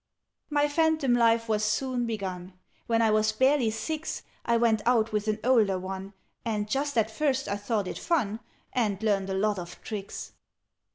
"My phantom life was soon begun: When I was barely six, I went out with an older one And just at first I thought it fun, And learned a lot of tricks.